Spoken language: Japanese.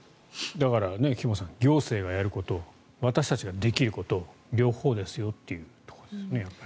だから、菊間さん行政がやること私たちができること両方ですよということですね。